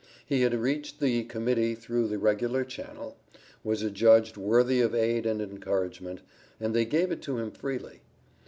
He had reached the Committee through the regular channel was adjudged worthy of aid and encouragement, and they gave it to him freely.